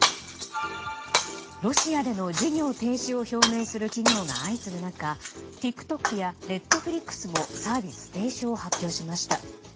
ロシアでの事業停止を表明する企業が相次ぐ中ＴｉｋＴｏｋやＮｅｔｆｌｉｘもサービス停止を発表しました。